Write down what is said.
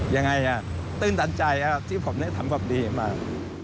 ยังไงตื่นตันใจครับที่ผมได้ทำความดีมา